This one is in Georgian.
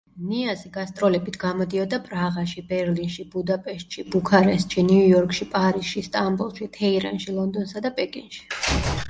ნიაზი გასტროლებით გამოდიოდა პრაღაში, ბერლინში, ბუდაპეშტში, ბუქარესტში, ნიუ-იორკში, პარიზში, სტამბოლში, თეირანში, ლონდონსა და პეკინში.